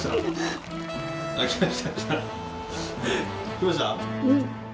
来ました？